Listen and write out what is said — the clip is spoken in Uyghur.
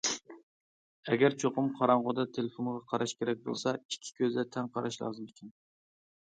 ئەگەر چوقۇم قاراڭغۇدا تېلېفونغا قاراش كېرەك بولسا، ئىككى كۆزدە تەڭ قاراش لازىم ئىكەن.